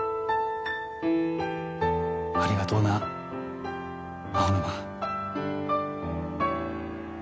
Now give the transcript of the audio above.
ありがとうな青沼。